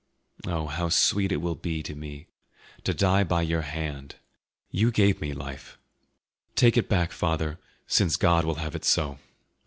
Oh, how sweet it will be to me to die by your hand! You gave me life; take it back, father, since God will have it so.